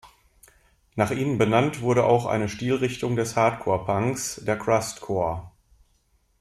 Nach ihnen benannt wurde auch eine Stilrichtung des Hardcore-Punks, der Crustcore.